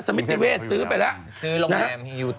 ซมิทเตเวทซื้อไปแล้ว